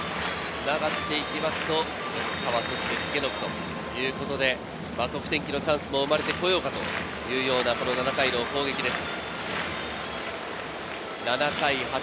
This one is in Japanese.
繋がっていきますと吉川、そして重信ということで、得点機のチャンスも生まれてこようかというような７回の攻撃です。